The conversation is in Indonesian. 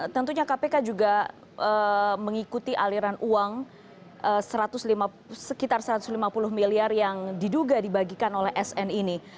tentunya kpk juga mengikuti aliran uang sekitar satu ratus lima puluh miliar yang diduga dibagikan oleh sn ini